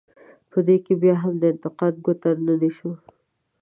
په دې کې بیا هم د انتقاد ګوته نه نیسو.